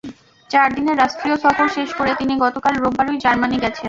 চার দিনের রাষ্ট্রীয় সফর শেষ করে তিনি গতকাল রোববারই জার্মানি গেছেন।